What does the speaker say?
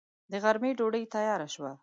د غرمې ډوډۍ تياره شوه.